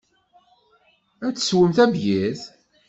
Ad teswem tabyirt?